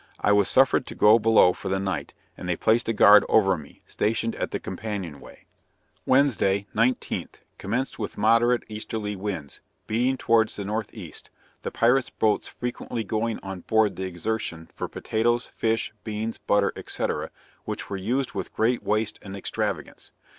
I was suffered to go below for the night, and they placed a guard over me, stationed at the companion way. Wednesday, 19th, commenced with moderate easterly winds, beating towards the northeast, the pirate's boats frequently going on board the Exertion for potatoes, fish, beans, butter, &c. which were used with great waste and extravagance.